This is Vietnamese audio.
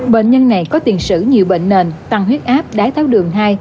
bệnh nhân này có tiền sử nhiều bệnh nền tăng huyết áp đái tháo đường hai